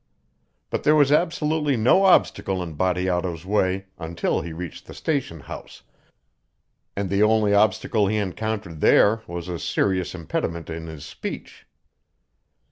But there was absolutely no obstacle in Bateato's way until he reached the station house, and the only obstacle he encountered there was a serious impediment in his speech.